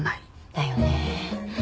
だよねえ。